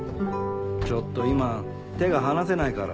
ちょっと今手が離せないから。